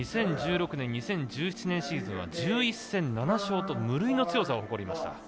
２０１６年２０１７年シーズンは１１戦７勝と無類の強さを誇りました。